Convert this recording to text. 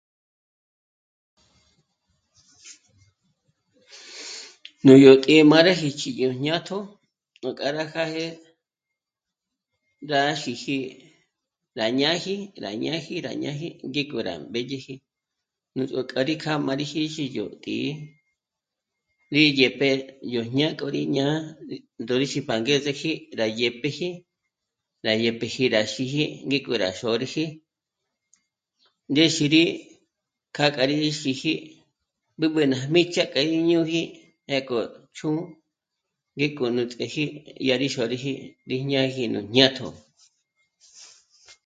Nújyó tǐ'i má rá jí'i ch'íriji jñatjo, nújká ná jâge nráxiji rá ñáji, rá ñáji, rá ñáji ngéko rá mbèdyeji nú ts'o k'a má mí yó tǐ'i rí dyè'p'e yó jñák'o rí ñá'a ndó'ixi pa angezeji rá dyè'peji rá dyèpeji rá xîji ngéko rá xôrüji ndéxiri k'a kjâ'a rí xîji b'ǚb'ü ná jmîjchje k'a íñôngi ngéko chū́'ū ngéko nú ts'éji dyá rí xôriji rí jñáji nú jñátjo